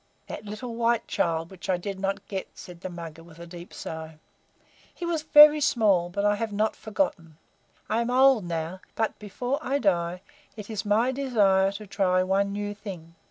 "That little white child which I did not get," said the Mugger, with a deep sigh. "He was very small, but I have not forgotten. I am old now, but before I die it is my desire to try one new thing.